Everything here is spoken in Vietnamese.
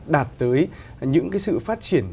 đạt tới những sự phát triển